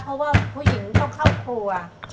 เพราะว่าผู้หญิงต้องเข้าครัว